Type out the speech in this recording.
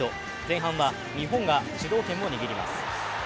前半は日本が主導権を握ります。